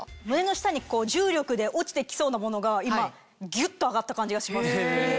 胸の下に重力で落ちて来そうなものが今ギュっと上がった感じがします。